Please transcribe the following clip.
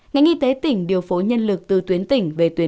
ngành y tế tỉnh điều phối nhân lực từ tuyến tỉnh về tuyến